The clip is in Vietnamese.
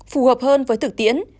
phù hợp hơn với thực tiễn